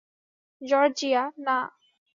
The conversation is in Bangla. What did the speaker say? জর্জিয়া, না।